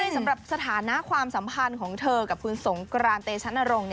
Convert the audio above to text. สำหรับสถานะความสัมพันธ์ของเธอกับคุณสงกรานเตชะนรงค์